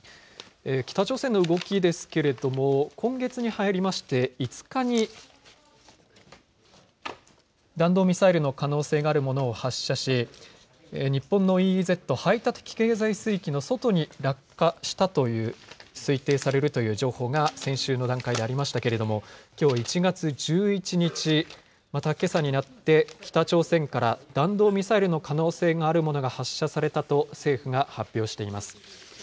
北朝鮮の動きですけれども、今月に入りまして５日に弾道ミサイルの可能性があるものを発射し、日本のＥＥＺ・排他的経済水域の外に落下したという、推定されるという情報が先週の段階でありましたけれども、きょう１月１１日、またけさになって、北朝鮮から弾道ミサイルの可能性があるものが発射されたと政府が発表しています。